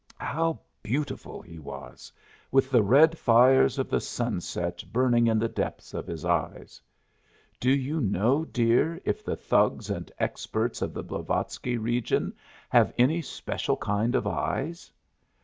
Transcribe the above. How beautiful he was! with the red fires of the sunset burning in the depths of his eyes. Do you know, dear, if the Thugs and Experts of the Blavatsky region have any special kind of eyes?